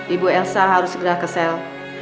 ibu elsa harus segera ke sel